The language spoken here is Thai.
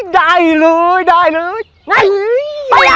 ได้เลยได้เลย